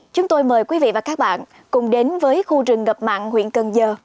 chúng tôi mời quý vị và các bạn cùng đến với khu rừng ngập mặn huyện cần giờ